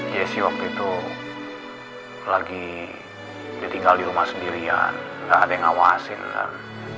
jessy waktu itu lagi ditinggal di rumah sendirian gak ada yang ngawasin dan